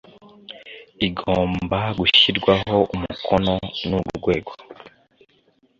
igomba gushyirwaho umukono n urwego